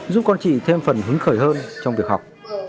giúp con chị thêm phần hứng khởi hơn trong việc học